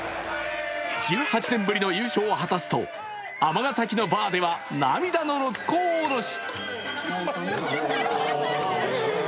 １８年ぶりの優勝を果たすと尼崎のバーでは涙の「六甲おろし」。